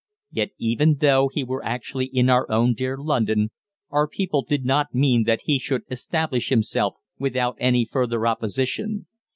Yet, even though he were actually in our own dear London, our people did not mean that he should establish himself without any further opposition.